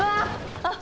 あっ。